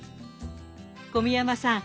小宮山さん